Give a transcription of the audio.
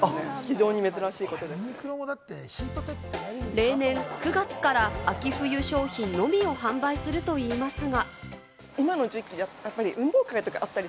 例年９月から秋冬商品のみを販売するといいますが。